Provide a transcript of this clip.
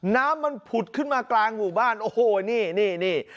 น้ำมันผุดขึ้นมากลางหมู่บ้านโอ้โหนี่นี่